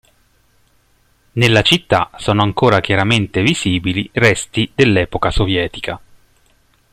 Nella città sono ancora chiaramente visibili resti dell'epoca sovietica.